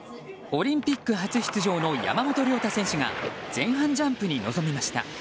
オリンピック初出場の山本涼太選手が前半ジャンプに臨みました。